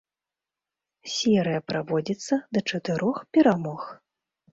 Серыя праводзіцца да чатырох перамог.